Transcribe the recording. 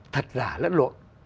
thật giả lẫn lộn